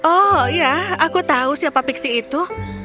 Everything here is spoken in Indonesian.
oh iya aku tahu siapa pixie itu